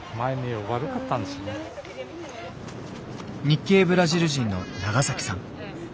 日系ブラジル人のナガサキさん。